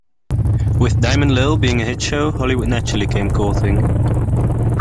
With "Diamond Lil" being a hit show, Hollywood naturally came courting.